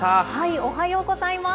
おはようございます。